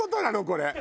これ。